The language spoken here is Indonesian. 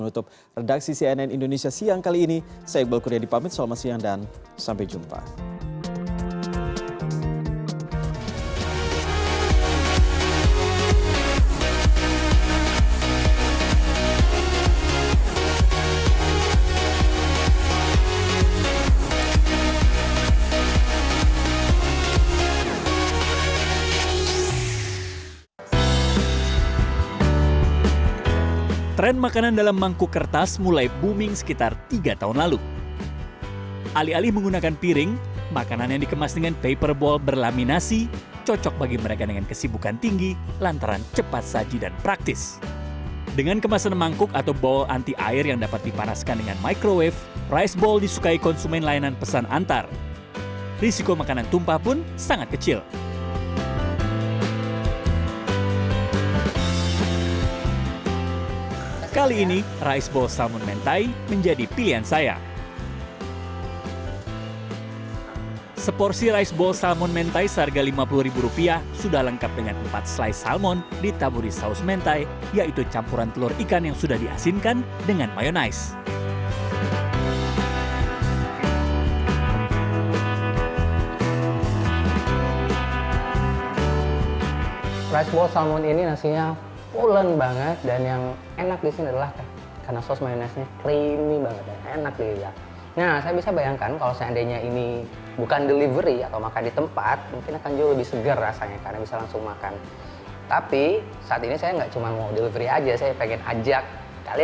tapi saat ini saya gak cuma mau delivery aja saya pengen ajak kalian semua untuk kalau kita coba makan di tempat seperti apa